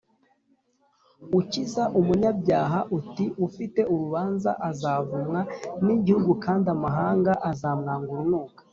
ukiza umunyabyaha ati “ufite urubanza”,azavumwa n’igihugu kandi amahanga azamwanga urunuka